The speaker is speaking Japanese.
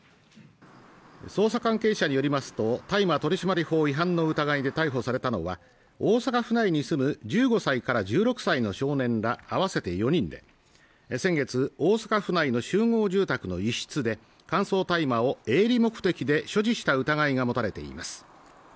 捜査関係者によりますと大麻取締法違反の疑いで逮捕されたのは大阪府内に住む１５歳から１６歳の少年ら合わせて４人で先月大阪府内の集合住宅の一室で乾燥大麻を営利目的で所持した疑いが持たれています